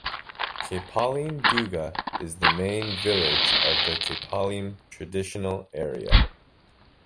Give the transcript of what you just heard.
Kpalime Duga is the main village of the Kpalime Traditional Area.